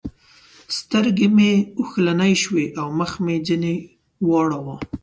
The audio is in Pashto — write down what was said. سترګې مې اوښلنې شوې او مخ مې ځنې واړاوو.